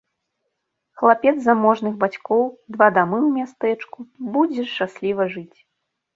Хлапец заможных бацькоў, два дамы ў мястэчку, будзеш шчасліва жыць.